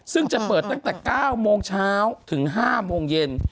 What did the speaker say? ซึ่งจะเปิดตั้งแต่๙โมงเช้าถึง๕โมงเย็น